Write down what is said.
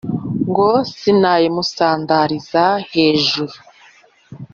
Ngo sinayimusandariza hejuru,